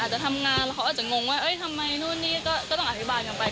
จะทำงานแล้วเขาอาจจะงงว่าทำไมนู่นนี่ก็ต้องอธิบายกันไป